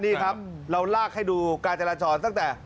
นี่ครับเราลากให้ดูการจราจรตั้งแต่